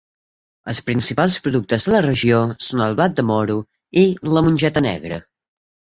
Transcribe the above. Els principals productes de la regió són el blat de moro i la mongeta negra.